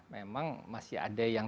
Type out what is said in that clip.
memang masih ada yang